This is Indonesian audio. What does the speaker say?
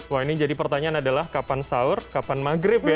wah ini jadi pertanyaan adalah kapan sahur kapan maghrib ya